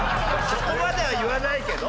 そこまでは言わないけど。